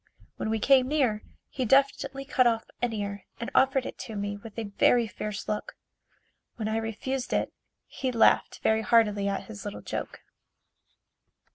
When we came near, he deftly cut off an ear and offered it to me with a very fierce look. When I refused it, he laughed very heartily at his little joke.